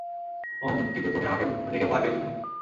উম, কিন্তু তুমি আমাকে দেখে ভয় পেয়েছ কেন?